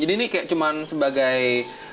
jadi ini kayak cuman sebagai